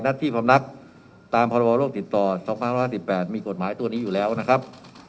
ที่พำนักตามพรบโลกติดต่อ๒๕๕๘มีกฎหมายตัวนี้อยู่แล้วนะครับ